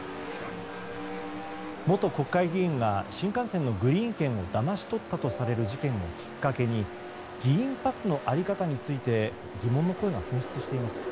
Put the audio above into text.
元国会議員が新幹線のグリーン券をだまし取ったとされる事件をきっかけに議員パスの在り方について疑問の声が噴出しています。